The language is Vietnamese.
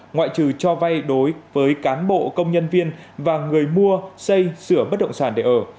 ngoại trừ cho vay đối với cán bộ công nhân viên và người mua xây sửa bất động sản để ở